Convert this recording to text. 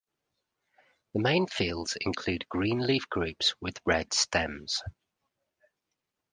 The main fields include green leaf groups with red stems.